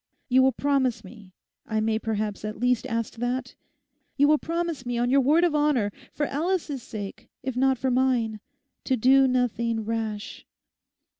You will promise me, I may perhaps at least ask that, you will promise me on your word of honour, for Alice's sake, if not for mine, to do nothing rash.